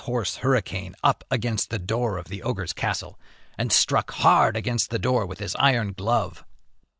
THROUGH FAIRY HALLS horse Hurricane up against the door of the ogre's castle, and struck hard against the door with his iron glove.